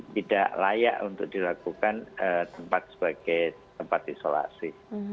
tidak layak untuk dilakukan tempat sebagai tempat isolasi